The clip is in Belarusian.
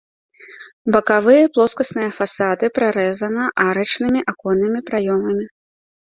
Бакавыя плоскасныя фасады прарэзана арачнымі аконнымі праёмамі.